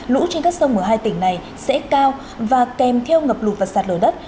lũ trên các sông ở hai tỉnh này sẽ cao và kèm theo ngập lụt và sạt lở đất